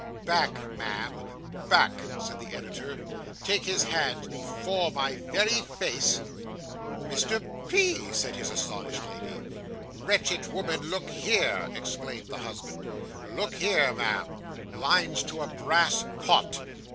'Back, ma'am back!' said the editor. 'Take his hand before my very face!' 'Mr. P.!' said his astonished lady. 'Wretched woman, look here,' exclaimed the husband. 'Look here, ma'am "Lines to a Brass Pot."